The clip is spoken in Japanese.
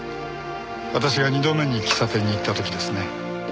私が２度目に喫茶店に行った時ですね？